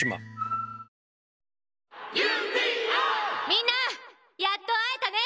みんなやっと会えたね。